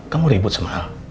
kamu ribut sama al